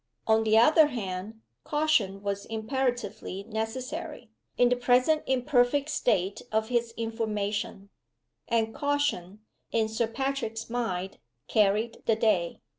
On the other hand, caution was imperatively necessary, in the present imperfect state of his information and caution, in Sir Patrick's mind, carried the day.